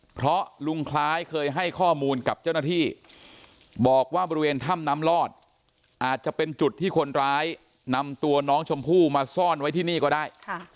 เพราะลุงคล้ายเคยให้ข้อมูลกับเจ้าหน้าที่บอกว่าบริเวณถ้ำน้ำลอดอาจจะเป็นจุดที่คนร้ายนำตัวน้องชมพู่มาซ่อนไว้ที่นี่ก็ได้